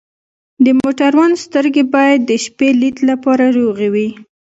د موټروان سترګې باید د شپې لید لپاره روغې وي.